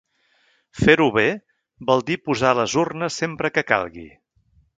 Fer-ho bé vol dir posar les urnes sempre que calgui.